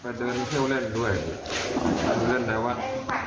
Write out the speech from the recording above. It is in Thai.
ไปเดินเที่ยวเล่นบ้างเล่นได้ว่าง